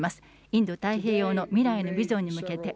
インド太平洋の未来のビジョンに向けて。